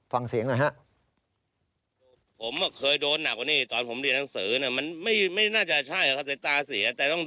ฟังเสียงหน่อยฮะ